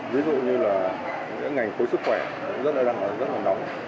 ví dụ như là những ngành khối sức khỏe đang rất là nóng